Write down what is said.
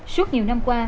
suốt nhiều năm qua